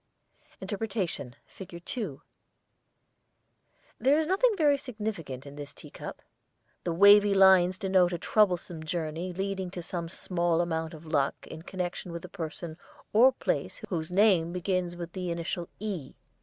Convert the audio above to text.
INTERPRETATION FIG. 2 There is nothing very significant in this tea cup. The wavy lines denote a troublesome journey leading to some small amount of luck in connection with a person or place whose name begins with the initial 'E.'